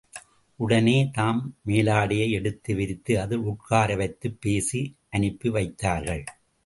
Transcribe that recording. உடனே தம் மேலாடையை எடுத்து விரித்து அதில் உட்கார வைத்துப் பேசி அனுப்பி வைத்தார்கள்.